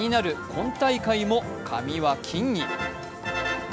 今大会も髪は金に。